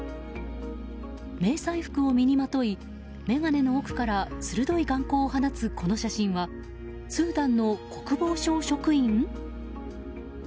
迷彩服を身にまとい眼鏡の奥から鋭い眼光を放つこの写真はスーダンの国防省職員？